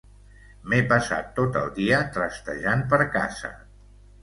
M'he passat tot el dia trastejant per casa.